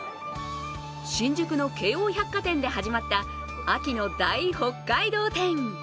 新宿の京王百貨店で始まった秋の大北海道展。